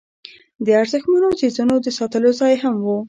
د ارزښتمنو څیزونو د ساتلو ځای هم و.